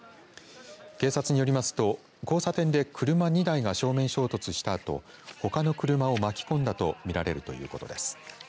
警察によりますと、交差点で車２台が正面衝突したあとほかの車を巻き込んだと見られるということです。